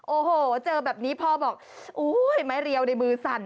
โอ้โหเจอแบบนี้พ่อบอกอุ้ยไม้เรียวในมือสั่น